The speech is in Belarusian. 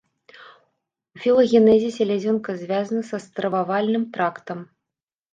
У філагенезе селязёнка звязана са стрававальным трактам.